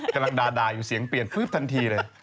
กำลังดายุ่เสียงเปลี่ยนตันทีเลย